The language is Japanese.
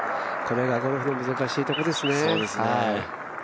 これがゴルフの難しいところですね。